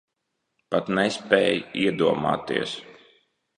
Pat nespēj iedomāties.